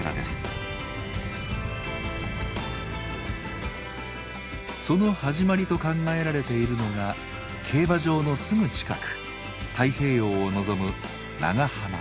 その始まりと考えられているのが競馬場のすぐ近く太平洋を臨む長浜。